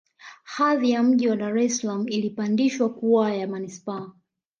Hadhi ya Mji wa Dar es Salaam ilipandishwa kuwa ya Manispaa